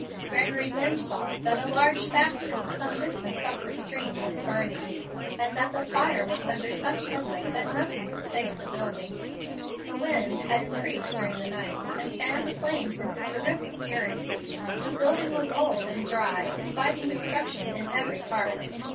Gregory then saw that a large factory some distance up the stream was burning, and that the fire was under such headway that nothing could save the building. The wind had increased during the night and fanned the flames into terrific fury. The building was old and dry, inviting destruction in every part.